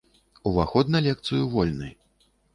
Уваход на лекцыю вольны!